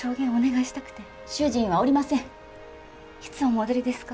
いつお戻りですか？